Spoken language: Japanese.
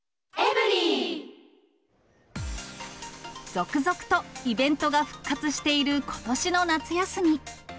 続々とイベントが復活していることしの夏休み。